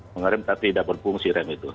mengerim tapi tidak berfungsi rem itu